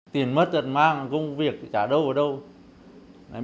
tiền mất tật mang công việc trả đâu ở đâu